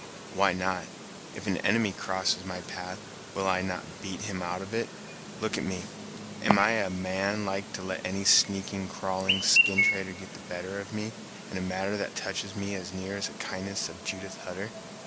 "Why not! If an enemy crosses my path, will I not beat him out of it! Look at me! am I a man like to let any sneaking, crawling, skin trader get the better of me in a matter that touches me as near as the kindness of Judith Hutter!